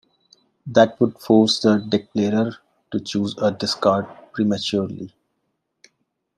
That would force the declarer to choose a discard prematurely.